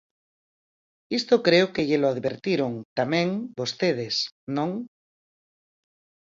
Isto creo que llelo advertiron, tamén, vostedes, ¿non?